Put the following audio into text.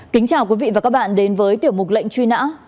kính chào quý vị và các bạn đến với tiểu mục lệnh truy nã